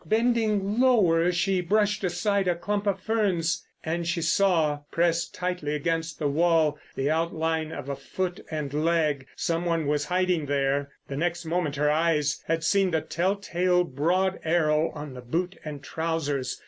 Bending lower she brushed aside a clump of ferns. And she saw, pressed tightly against the wall, the outline of a foot and leg. Some one was hiding there. The next moment her eyes had seen the tell tale broad arrow on the boot and trousers.